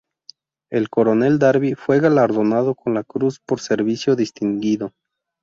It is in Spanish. El coronel Darby fue galardonado con la Cruz por Servicio Distinguido.